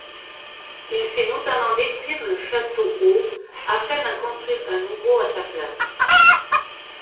Il fait notamment détruire le Château-Haut afin d'en construire un nouveau à sa place.